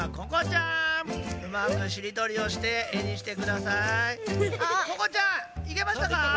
ここちゃんいけましたか？